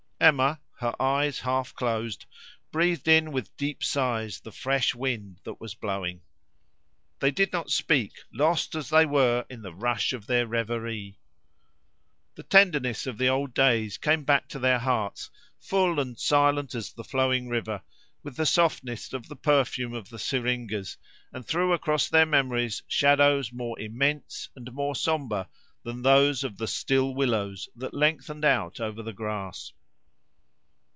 Emma, her eyes half closed, breathed in with deep sighs the fresh wind that was blowing. They did not speak, lost as they were in the rush of their reverie. The tenderness of the old days came back to their hearts, full and silent as the flowing river, with the softness of the perfume of the syringas, and threw across their memories shadows more immense and more sombre than those of the still willows that lengthened out over the grass.